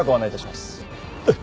はい。